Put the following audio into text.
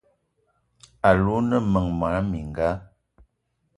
Alou o ne meng mona mininga?